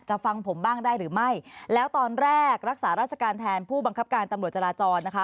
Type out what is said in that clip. ฟังผมบ้างได้หรือไม่แล้วตอนแรกรักษาราชการแทนผู้บังคับการตำรวจจราจรนะคะ